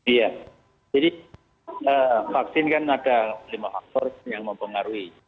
iya jadi vaksin kan ada lima faktor yang mempengaruhi